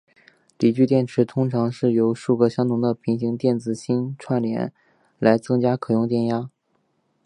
锂聚电池通常是由数个相同的平行子电池芯串联来增加可用电压。